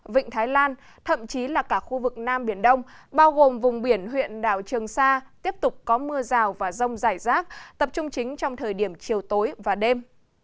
vịnh thái lan thậm chí là cả khu vực nam biển đông bao gồm vùng biển huyện đảo trường sa tiếp tục có mưa rào và rông rải rác tập trung chính trong thời điểm chiều tối và đêm